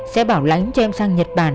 sẽ bảo lãnh cho em sang nhật bản